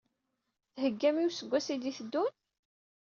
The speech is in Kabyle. Theggam i useggas i d-iteddun?